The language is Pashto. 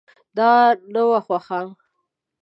دا نه وه خوښه.